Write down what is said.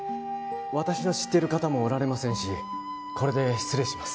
私の知ってる方もおられませんしこれで失礼します